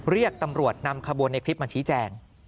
เรียกตำรวจนำขบวนในคลิปมาชี้แจง